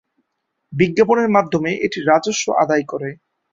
বিজ্ঞাপনের মাধ্যমে এটি রাজস্ব আদায় করে।